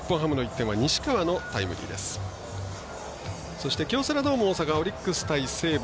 そして京セラドーム大阪オリックス対西武。